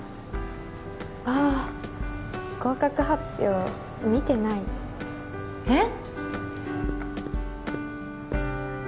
ああ合格発表見てないえっ？